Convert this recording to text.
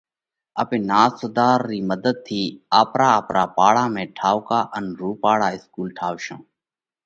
آپي نات سُڌار رِي مڌت ٿِي آپرا آپرا پاڙا ۾ ٺائُوڪا ان رُوپاۯا اِسڪُول ٺاوَشون۔